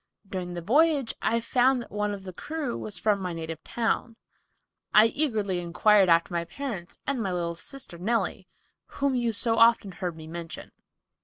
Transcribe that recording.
During the voyage, I found that one of the crew was from my native town. I eagerly inquired after my parents and my little sister Nellie, whom you so often heard me mention.